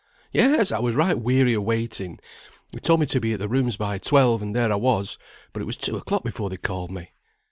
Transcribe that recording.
"Yes, I was right weary of waiting; they told me to be at the rooms by twelve; and there I was. But it was two o'clock before they called me."